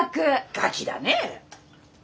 ガキだね！